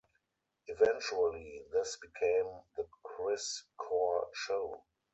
Eventually this became "The Chris Core Show".